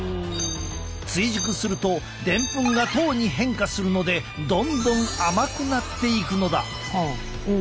追熟するとでんぷんが糖に変化するのでどんどん甘くなっていくのだ。